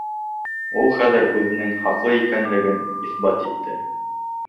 Ул хәҙер үҙенең хаҡлы икәнлеген иҫбат итте.